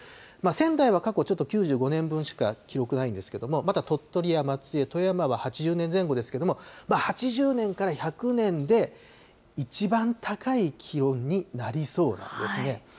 仙台は過去ちょっと９５年分しか記録、ないんですが、また鳥取や松江、富山は８０年前後ですけれども、８０年から１００年で１番高い気温になりそうなんですね。